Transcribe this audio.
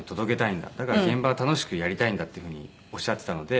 「だから現場は楽しくやりたいんだ」っていうふうにおっしゃっていたので。